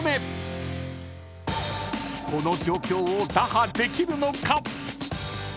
［この状況を打破できるのか］